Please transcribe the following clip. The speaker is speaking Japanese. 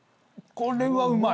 これはうまい！